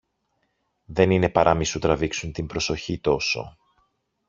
δεν είναι παρά μη σου τραβήξουν την προσοχή τόσο